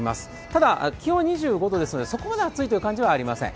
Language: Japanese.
ただ、気温は２５度ですので、そこまで暑いという感じはしません。